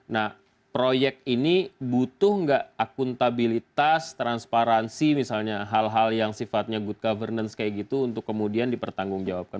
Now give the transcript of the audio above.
nah proyek ini butuh nggak akuntabilitas transparansi misalnya hal hal yang sifatnya good governance kayak gitu untuk kemudian dipertanggungjawabkan